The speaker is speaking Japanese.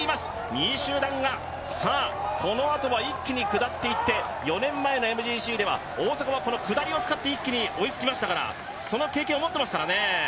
２位集団が、このあとは一気に下っていって、４年前のＭＧＣでは大迫はこの下りを使って追いつきましたからその経験を持っていますからね。